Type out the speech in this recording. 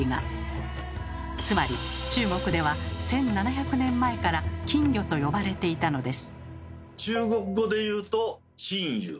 つまり中国では１，７００年前から金魚と呼ばれていたのです。